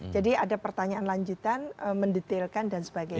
jadi ada pertanyaan lanjutan mendetailkan dan sebagainya